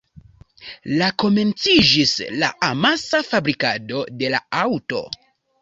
La komenciĝis la amasa fabrikado de la aŭto.